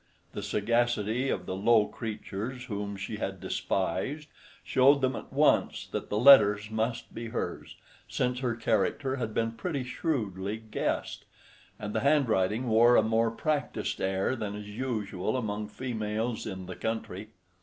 The sagacity of the low creatures whom she had despised showed them at once that the letters must be hers, since her character had been pretty shrewdly guessed, and the handwriting wore a more practised air than is usual among females in the country.